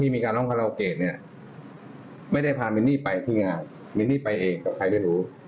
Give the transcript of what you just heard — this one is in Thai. ไม่ได้พามินนี่ไปที่งานมินนี่ไปเองกับใครไม่รู้